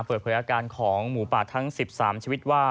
เปิดเผยอาการของหมูป่าทั้ง๑๓ชีวิตว่า